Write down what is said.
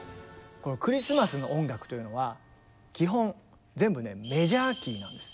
このクリスマスの音楽というのは基本全部ねメジャー・キーなんです。